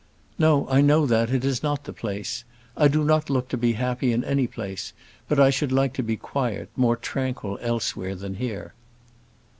"No, I know that; it is not the place. I do not look to be happy in any place; but I should be quieter, more tranquil elsewhere than here."